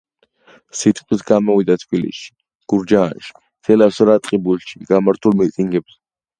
სიტყვით გამოვიდა თბილისში, გურჯაანში, თელავსა და ტყიბულში გამართულ მიტინგებზე.